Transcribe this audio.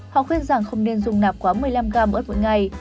họ khuyên rằng không nên dùng nạp quá một mươi năm gram ớt mỗi ngày